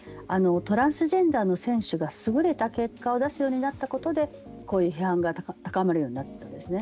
トランスジェンダーの選手が優れた結果を出すようになったことでこういう批判が高まるようになったんですね。